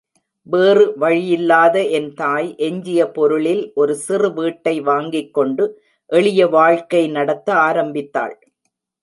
வேறு வழியில்லாத என் தாய் எஞ்சிய பொருளில் ஒரு சிறு வீட்டை வாங்கிக்கொண்டு எளிய வாழ்க்கை நடத்த ஆரம்பித்தாள்.